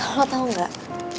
lo tau gak